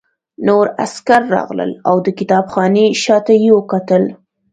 نور عسکر راغلل او د کتابخانې شاته یې وکتل